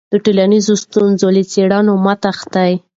د ټولنیزو ستونزو له څېړنې مه تېښته.